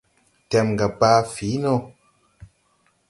Tɛmga baa fǐi no.